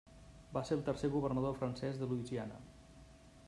Va ser el tercer governador francès de Louisiana.